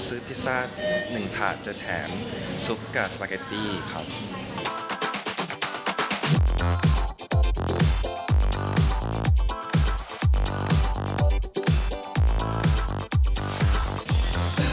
พิซซ่า๑ถาดจะแถมซุปกาสปาเกตตี้ครับ